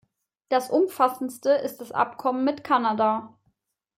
Das umfassendste ist das Abkommen mit Kanada.